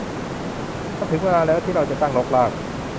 มันถึงเวลาแล้วที่เราจะตั้งรกราก